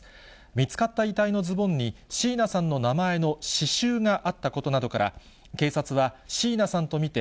見つかった遺体のズボンに、椎名さんの名前の刺しゅうがあったことなどから、警察は椎名さんと見て、